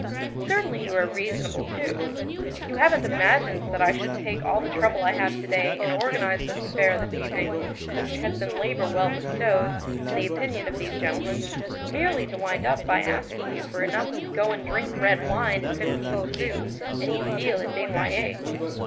Certainly, you are reasonable, too; you haven't imagined that I should take all the trouble I have to day and organized this affair this evening, which has been labor well bestowed, in the opinion of these gentlemen, merely to wind up by asking you for enough to go and drink red wine at fifteen sous and eat veal at Desnoyer's.